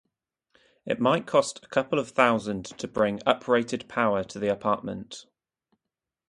It might cost a couple of thousand to bring uprated power to the apartment